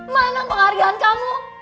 mana penghargaan kamu